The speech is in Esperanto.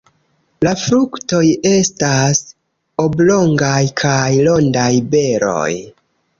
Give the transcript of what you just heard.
La fruktoj estas oblongaj kaj rondaj beroj.